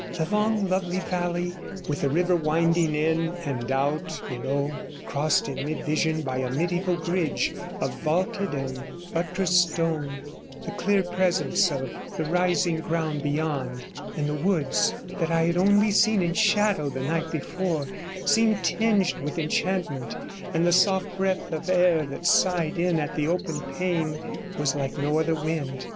The long, lovely valley, with the river winding in and out below, crossed in mid vision by a mediaeval bridge of vaulted and 52 buttressed stone, the clear presence of the rising ground beyond, and the woods that I had only seen in shadow the night before, seemed tinged with enchantment, and the soft breath of air that sighed in at the opened pane was like no other wind.